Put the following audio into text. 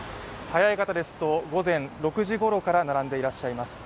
早い方ですと午前６時ごろから並んでらっしゃいます。